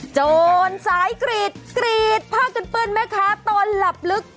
โจรสายกรีดกรีดผ้ากันเปิดไหมคะตอนหลับลึก